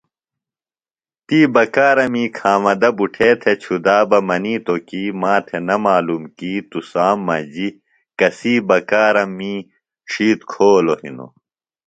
تی بکارمی کھامدہ بُٹھے تھےۡ چُھدا بہ منِیتوۡ کی ماتھےۡ نہ معلوم کی تُسام مجیۡ کسی بکارم می ڇِھیتر کھولوۡ ہِنوۡ۔